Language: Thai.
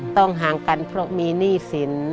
ห่างกันเพราะมีหนี้สิน